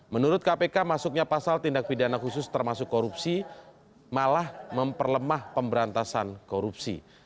menurut kpk masuknya pasal tindak pidana khusus termasuk korupsi malah memperlemah pemberantasan korupsi